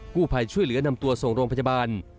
ผู้ภัยช่วยเหลือนำตัวส่งโรงพยาบาล